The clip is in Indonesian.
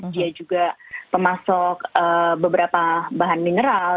dia juga pemasok beberapa bahan mineral